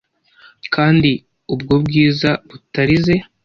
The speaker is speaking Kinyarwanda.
kandi ubwo bwiza butarize